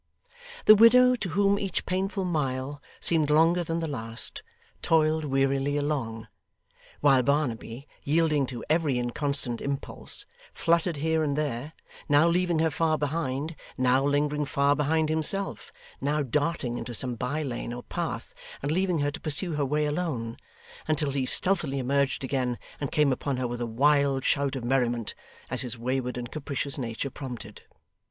The widow, to whom each painful mile seemed longer than the last, toiled wearily along; while Barnaby, yielding to every inconstant impulse, fluttered here and there, now leaving her far behind, now lingering far behind himself, now darting into some by lane or path and leaving her to pursue her way alone, until he stealthily emerged again and came upon her with a wild shout of merriment, as his wayward and capricious nature prompted.